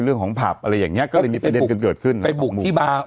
เรื่องของผับอะไรอย่างเงี้ก็เลยมีประเด็นกันเกิดขึ้นไปบุกที่บาร์